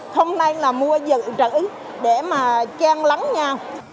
không nên là mua dự trữ để mà chan lắng nha